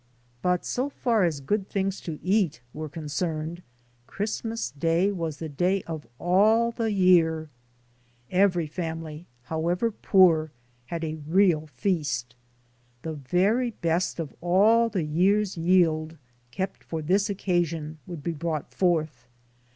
But so far as good things to eat were concerned, Christmas Day was the day of all the year. Every family, however poor, had a real feast. The very best of all the year's yield, kept for this occasion, would be brought forth.